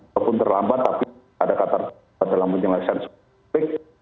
walaupun terlambat tapi ada kata kata dalam penyelesaian sebut